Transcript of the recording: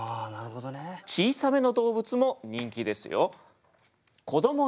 小さめの動物も人気ですよ。